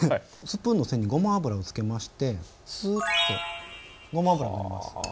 スプーンの背にごま油をつけましてスーッとごま油を塗ります。